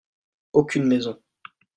Aucune maison.